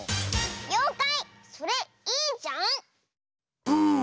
「ようかいそれいいじゃん」！